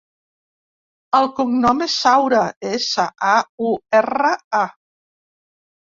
El cognom és Saura: essa, a, u, erra, a.